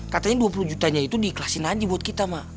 katanya dua puluh jutanya itu diikhlasin aja buat kita mah